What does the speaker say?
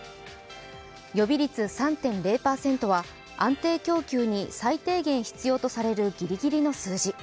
予備率３．０％は安定供給に最低限必要とされるギリギリの数字。